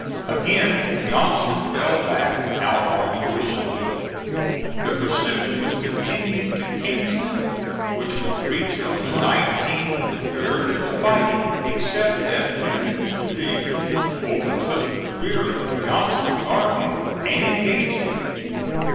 Again Johnston fell back, our army pursuing. The pursuit was continued to Kingston, which was reached on the 19th with very little fighting, except that Newton's division overtook the rear of Johnston's army and engaged it.